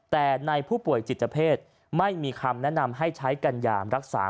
แต่ในผู้ป่วยจิตเพศไม่มีคำแนะนำให้ใช้กัญญารักษา